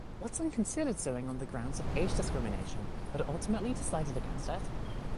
Watson considered suing on the grounds of age discrimination but ultimately decided against it.